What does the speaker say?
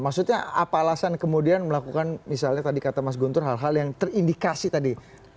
maksudnya apa alasan kemudian melakukan misalnya tadi kata mas guntur hal hal yang terindikasi tadi